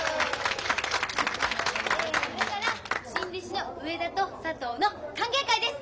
えそれから新弟子の上田と佐藤の歓迎会です！